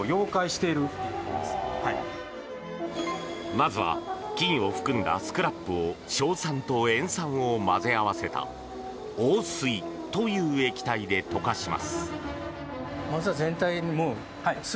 まずは金を含んだスクラップを硝酸と塩酸を混ぜ合わせた王水という液体で溶かします。